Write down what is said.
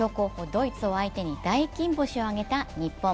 ドイツを相手に大金星を挙げた日本。